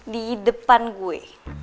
di depan gue